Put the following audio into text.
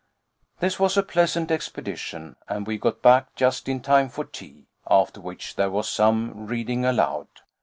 This was a pleasant expedition, and we got back just in time for tea, after which there was some reading aloud.